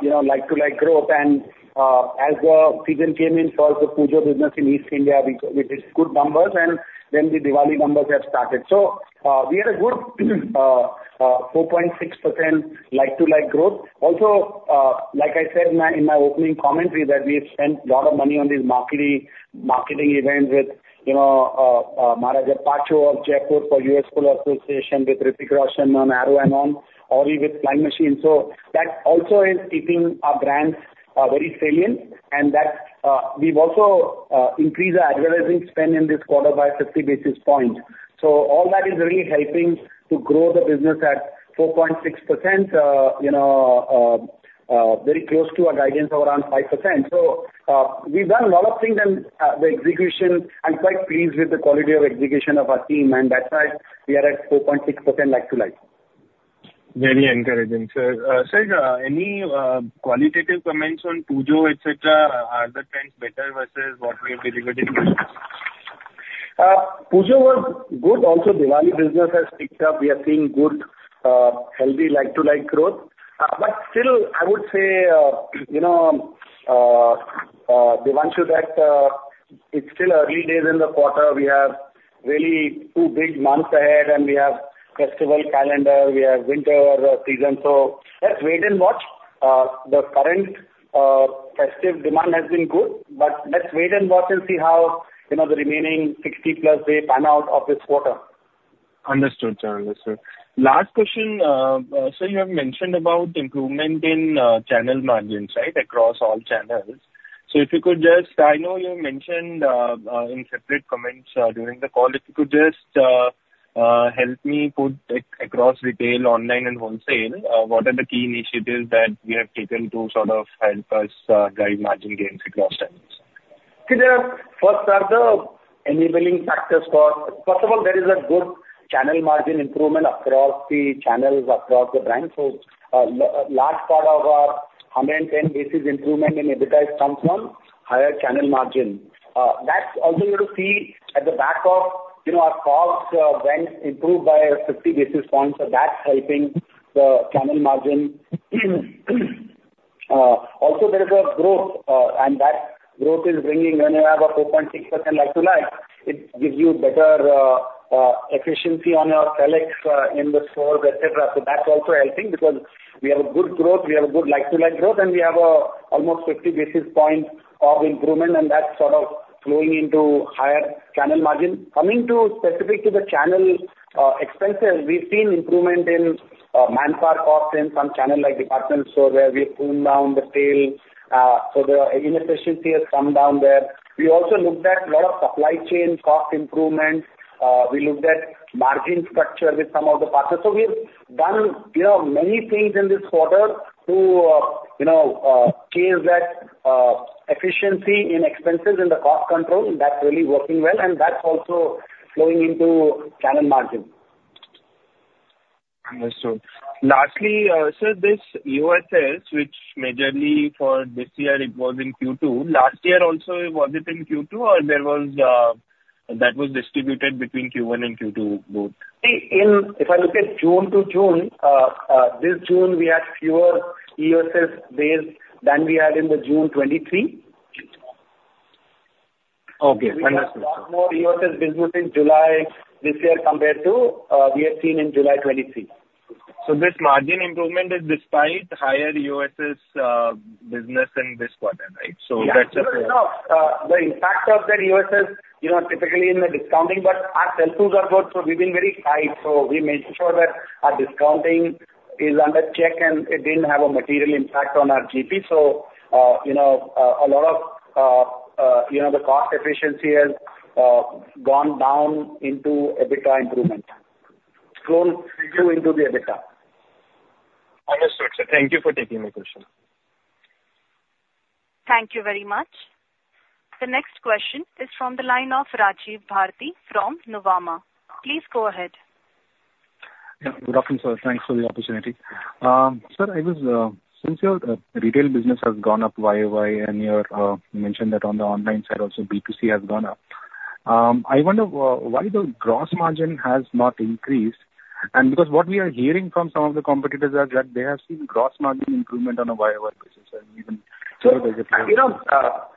you know, like-to-like growth. As the season came in for also Pujo business in East India, we did good numbers, and then the Diwali numbers have started. We had a good 4.6% like-to-like growth. Also, like I said in my opening commentary, that we've spent a lot of money on these marketing events with, you know, Maharaja Pacho of Jaipur for U.S. Polo Assn., with Hrithik Roshan on Arrow and on, or with Flying Machine. So that also is keeping our brands very salient. And that we've also increased our advertising spend in this quarter by 50 basis points. So all that is really helping to grow the business at 4.6%, you know, very close to our guidance of around 5%. So we've done a lot of things, and the execution, I'm quite pleased with the quality of execution of our team, and that's why we are at 4.6% like-to-like. Very encouraging, sir. Sir, any qualitative comments on Pujo, et cetera? Are the trends better versus what we have delivered? Pujo was good. Also, Diwali business has picked up. We are seeing good, healthy like-to-like growth. But still, I would say, you know, Devanshu, that it's still early days in the quarter. We have really two big months ahead, and we have festival calendar, we have winter season. So let's wait and watch. The current festive demand has been good, but let's wait and watch and see how, you know, the remaining sixty-plus days pan out of this quarter. Understood, sir. Understood. Last question, so you have mentioned about improvement in channel margins, right? Across all channels. So if you could just... I know you mentioned in separate comments during the call, if you could just help me put across retail, online, and wholesale, what are the key initiatives that we have taken to sort of help us drive margin gains across channels? First of all, there is a good channel margin improvement across the channels, across the brand. So, a large part of our 110 basis points improvement in EBITDA comes from higher channel margin. That's also due to, you see, at the back of, you know, our costs improved by 50 basis points, so that's helping the channel margin. Also there is a growth, and that growth is bringing, when you have a 4.6% like-to-like, it gives you better efficiency on your fixed in the stores, et cetera. So that's also helping because we have a good growth, we have a good like-to-like growth, and we have almost 50 basis points of improvement, and that's sort of flowing into higher channel margin. Coming to specific to the channel, expenses, we've seen improvement in, manpower costs in some channels like Department Stores. So where we've pulled down the tail, the inefficiency has come down there. We also looked at a lot of supply chain cost improvements. We looked at margin structure with some of the partners. So we've done, you know, many things in this quarter to, you know, change that, efficiency in expenses and the cost control, and that's really working well, and that's also flowing into channel margin. Understood. Lastly, sir, this EOSS, which majorly for this year it was in Q2. Last year also, was it in Q2, or there was that was distributed between Q1 and Q2 both? If I look at June to June, this June, we had fewer EOSS days than we had in June 2023. Okay, understood. We have a lot more EOSS business in July this year compared to, we had seen in July 2023. This margin improvement is despite higher EOSS business in this quarter, right? So that's a- Yeah. So, you know, the impact of that EOSS, you know, typically in the discounting, but our sell-throughs are good, so we've been very tight. So we made sure that our discounting is under check, and it didn't have a material impact on our GP. So, you know, a lot of, you know, the cost efficiency has gone down into EBITDA improvement. Understood, sir. Thank you for taking my question. Thank you very much. The next question is from the line of Rajiv Bharti from Nuvama. Please go ahead. Yeah, good afternoon, sir. Thanks for the opportunity. Sir, I was, since your retail business has gone up YOY, and you're mentioned that on the online side also B2C has gone up, I wonder why the gross margin has not increased, and because what we are hearing from some of the competitors are that they have seen gross margin improvement on a YOY basis, and even- So, you know,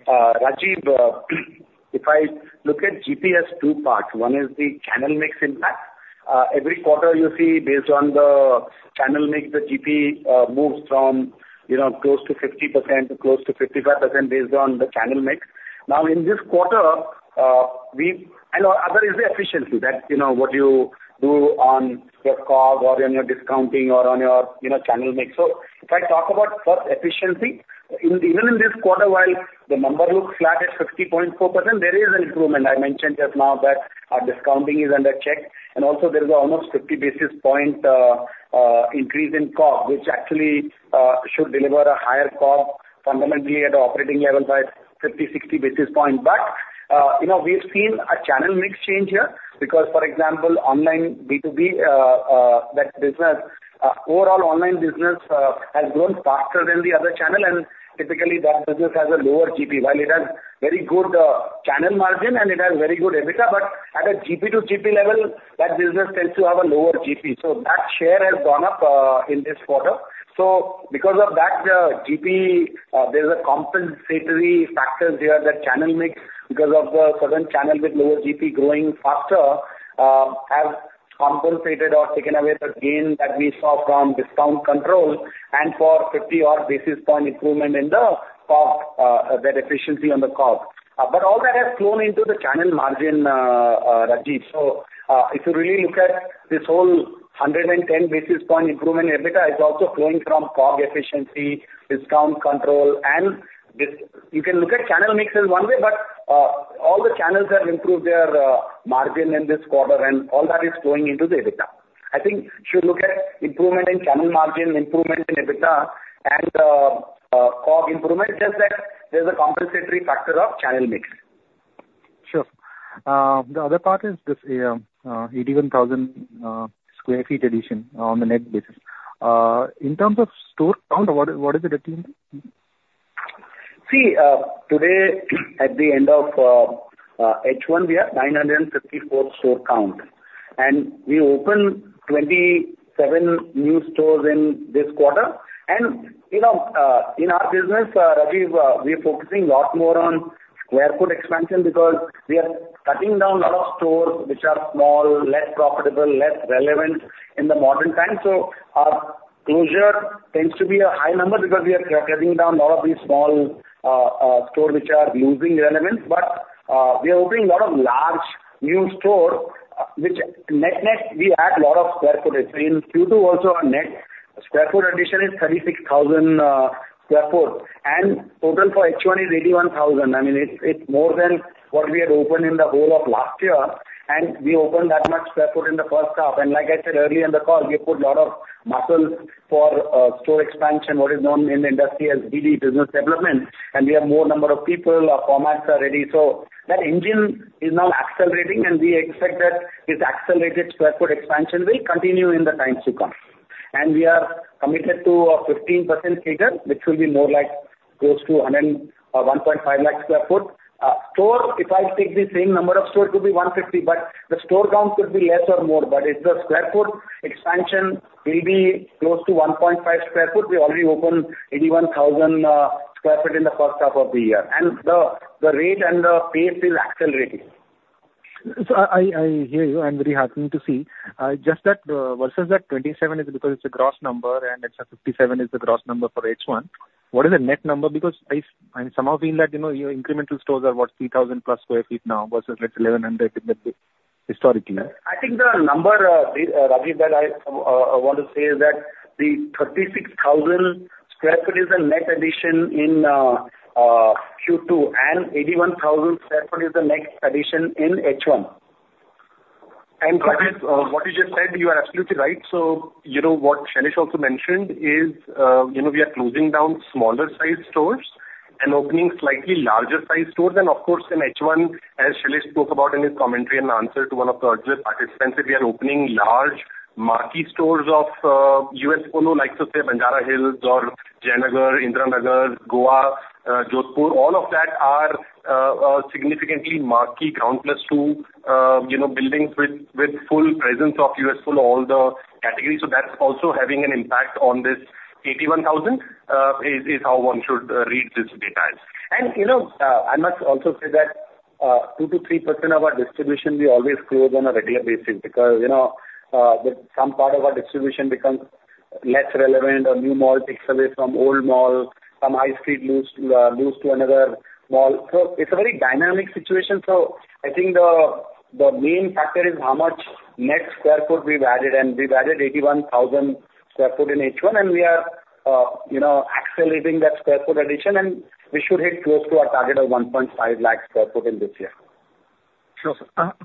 Rajiv, if I look at GP as two parts, one is the channel mix impact. Every quarter you see based on the channel mix, the GP moves from, you know, close to 50% to close to 55% based on the channel mix. Now, in this quarter, other is the efficiency that, you know, what you do on your cost or on your discounting or on your, you know, channel mix. So if I talk about first efficiency, even in this quarter while the number looks flat at 60.4%, there is an improvement. I mentioned just now that our discounting is under check, and also there is almost fifty basis point increase in COGS, which actually should deliver a higher COGS fundamentally at the operating level by fifty, sixty basis point. But, you know, we've seen a channel mix change here, because, for example, online B2B, that business, overall online business, has grown faster than the other channel, and typically that business has a lower GP. While it has very good, channel margin, and it has very good EBITDA, but at a GP to GP level, that business tends to have a lower GP. So that share has gone up, in this quarter. So because of that, GP, there's a compensatory factors here, that channel mix, because of the certain channel with lower GP growing faster, have compensated or taken away the gain that we saw from discount control and for fifty odd basis point improvement in the COGS, that efficiency on the COGS. But all that has flown into the channel margin, Rajiv. If you really look at this whole 100 and 10 basis point improvement in EBITDA, it's also flowing from COGS efficiency, discount control, and this you can look at channel mix as one way, but all the channels have improved their margin in this quarter, and all that is flowing into the EBITDA. I think should look at improvement in channel margin, improvement in EBITDA and COGS improvement, just that there's a compensatory factor of channel mix. Sure. The other part is this, 81,000 sq ft addition on the net basis. In terms of store count, what is the routine? See, today, at the end of H1, we are 954 store count, and we opened 27 new stores in this quarter. You know, in our business, Rajiv, we are focusing a lot more on square foot expansion because we are cutting down a lot of stores which are small, less profitable, less relevant in the modern time. So our closure tends to be a high number because we are cutting down a lot of these small stores which are losing relevance. But we are opening a lot of large new stores, which net-net, we add a lot of square footage. So in Q2 also, our net square foot addition is 36,000 sq ft, and total for H1 is 81,000 sq ft. I mean, it's more than what we had opened in the whole of last year, and we opened that much sq ft in the first half. And like I said earlier in the call, we put a lot of muscle for store expansion, what is known in the industry as BD, business development. And we have more number of people, our formats are ready. So that engine is now accelerating, and we expect that this accelerated sq ft expansion will continue in the times to come. And we are committed to a 15% figure, which will be more like close to 100, 1.5 lakh sq ft. Store, if I take the same number of stores, it could be one fifty, but the store count could be less or more, but it's the sq ft expansion will be close to 1.5 sq ft. We already opened 81,000 sq ft in the first half of the year. The rate and the pace is accelerating. So I hear you. I'm very happy to see. Just that versus that 27 is because it's a gross number, and extra 57 is the gross number for H1. What is the net number? Because I somehow feel that, you know, your incremental stores are, what, 3,000-plus sq ft now versus, like, 1,100 sq ft historically. I think the number, Raj, that I want to say is that the 36,000 sq ft is a net addition in Q2, and 81,000 sq ft is the next addition in H1. Rajiv, what you just said, you are absolutely right. You know, what Shailesh also mentioned is, you know, we are closing down smaller sized stores and opening slightly larger sized stores. Of course, in H1, as Shailesh spoke about in his commentary in answer to one of the earlier participants, that we are opening large marquee stores of U.S. Polo, like, say, Banjara Hills or Jayanagar, Indiranagar, Goa, Jodhpur. All of that are significantly marquee ground plus two, you know, buildings with full presence of U.S. Polo, all the categories. That's also having an impact on this 81,000 is how one should read this data. You know, I must also say that 2-3% of our distribution we always close on a regular basis because, you know, the some part of our distribution becomes less relevant or new mall takes away from old mall, some high street lose to another mall. So it's a very dynamic situation. So I think the main factor is how much net sq ft we've added, and we've added 81,000 sq ft in H1, and we are, you know, accelerating that sq ft addition, and we should hit close to our target of 1.5 lakh sq ft in this year. Sure.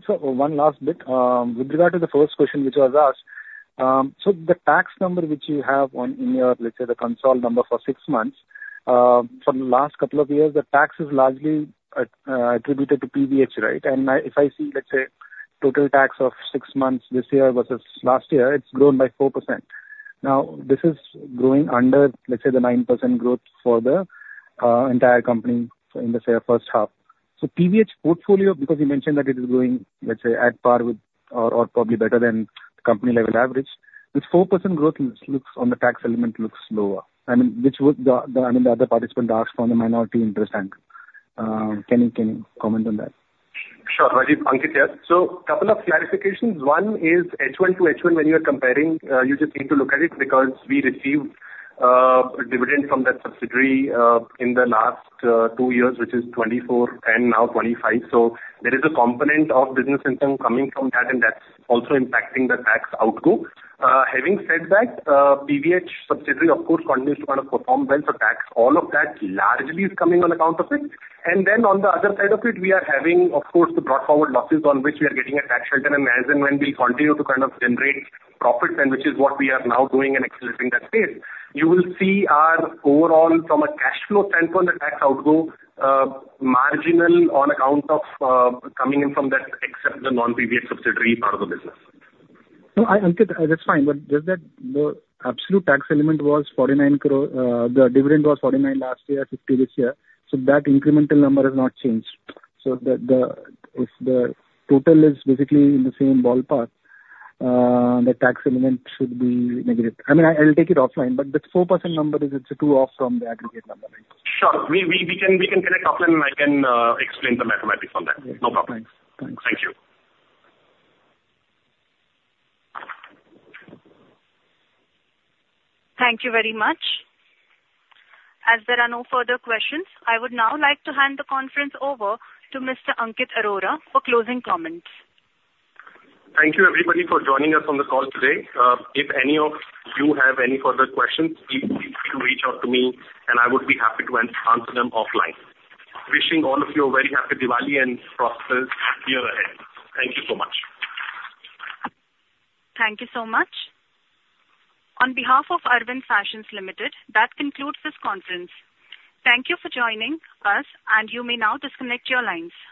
So one last bit. With regard to the first question, which was asked, so the tax number, which you have on in your, let's say, the consensus number for six months, for the last couple of years, the tax is largely attributed to PVH, right? And I, if I see, let's say, total tax of six months this year versus last year, it's grown by 4%. Now, this is growing under, let's say, the 9% growth for the entire company in the say, first half. So PVH portfolio, because you mentioned that it is growing, let's say, at par with or probably better than the company level average, this 4% growth looks on the tax element, looks lower. I mean, which was the, I mean, the other participant asked from the minority interest end. Can you comment on that? Sure, Rajiv. Ankit here. So couple of clarifications. One is H1 to H1. When you are comparing, you just need to look at it because we received dividend from that subsidiary in the last two years, which is 2024, and now 2025. So there is a component of business income coming from that, and that's also impacting the tax outgo. Having said that, PVH subsidiary, of course, continues to kind of perform well for tax. All of that largely is coming on account of it. And then on the other side of it, we are having, of course, the brought forward losses on which we are getting a tax shelter. And as and when we continue to kind of generate profits, and which is what we are now doing and accelerating that pace, you will see our overall from a cash flow standpoint, the tax outgo marginal on account of coming in from that, except the non-PVH subsidiary part of the business. No, Ankit, that's fine, but just that the absolute tax element was 49 crore. The dividend was 49 crore last year, 50 crore this year. So that incremental number has not changed. So the, the, if the total is basically in the same ballpark, the tax element should be negative. I mean, I, I'll take it offline, but the 4% number is, it's a 2 off from the aggregate number. Sure. We can connect offline, and I can explain the mathematics on that. No problem. Thanks. Thank you. Thank you very much. As there are no further questions, I would now like to hand the conference over to Mr. Ankit Arora for closing comments. Thank you, everybody, for joining us on the call today. If any of you have any further questions, feel free to reach out to me, and I would be happy to answer them offline. Wishing all of you a very happy Diwali and prosperous year ahead. Thank you so much. Thank you so much. On behalf of Arvind Fashions Limited, that concludes this conference. Thank you for joining us, and you may now disconnect your lines.